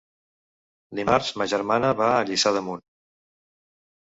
Dimarts ma germana va a Lliçà d'Amunt.